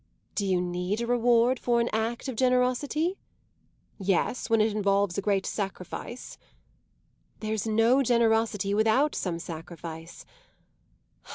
"Do you need a reward for an act of generosity?" "Yes, when it involves a great sacrifice." "There's no generosity without some sacrifice.